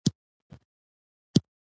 بزګر د وطن ستر خدمتګار دی